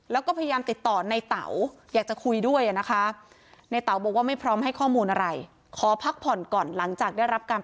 แล้วก็พยายามติดต่อในเต๋าอยากจะคุยด้วยอ่ะนะคะ